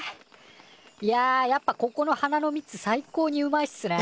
いややっぱここの花の蜜最高にうまいっすね。